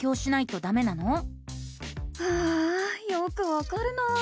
ああよくわかるな。